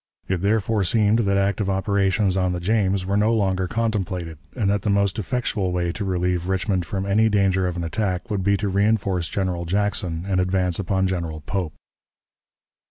It therefore seemed that active operations on the James were no longer contemplated, and that the most effectual way to relieve Richmond from any danger of an attack would be to reënforce General Jackson and advance upon General Pope.